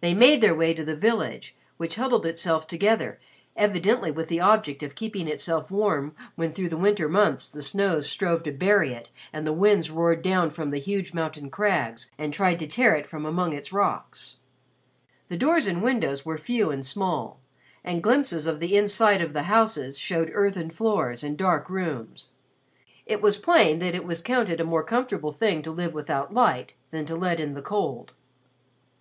They made their way to the village, which huddled itself together evidently with the object of keeping itself warm when through the winter months the snows strove to bury it and the winds roared down from the huge mountain crags and tried to tear it from among its rocks. The doors and windows were few and small, and glimpses of the inside of the houses showed earthen floors and dark rooms. It was plain that it was counted a more comfortable thing to live without light than to let in the cold.